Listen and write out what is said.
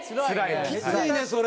きついねそれ。